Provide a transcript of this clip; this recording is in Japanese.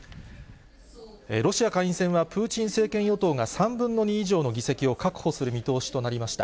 ロシア下院選は、プーチン政権与党が３分の２以上の議席を確保する見通しとなりました。